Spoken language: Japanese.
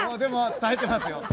耐えてますよ。